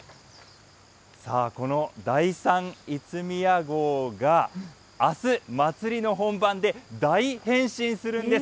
さあ、この第３五宮号が、あす、祭りの本番で大変身するんです。